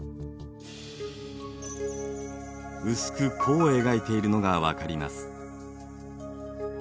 薄く弧を描いているのがわかります。